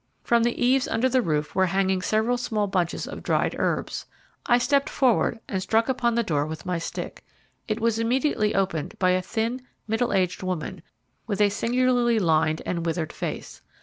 From the eaves under the roof were hanging several small bunches of dried herbs. I stepped forward and struck upon the door with my stick. It was immediately opened by a thin, middle aged woman, with a singularly lined and withered face.